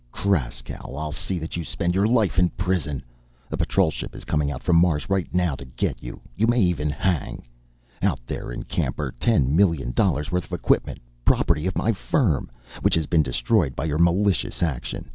Kraskow, I'll see that you spend your life in prison! A Patrol ship is coming out from Mars right now to get you! You may even hang! Out there in camp are ten million dollars' worth of equipment property of my firm which has been destroyed by your malicious action.